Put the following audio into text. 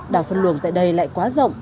đảo phân luồng tại đây lại quá rộng